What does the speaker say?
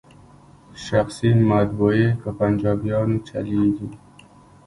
شخصي مطبعې په پنجابیانو چلیږي.